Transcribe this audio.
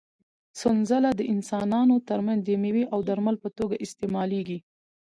سنځله د انسانانو تر منځ د مېوې او درمل په توګه استعمالېږي.